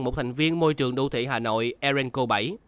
một thành viên môi trường đô thị hà nội erenco bảy